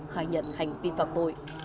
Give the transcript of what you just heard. khai nhận hành vi phạm tội